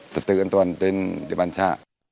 tự tự an toàn trên địa bàn xã